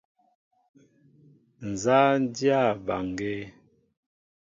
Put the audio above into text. Nzá a dyâ mbaŋgēē?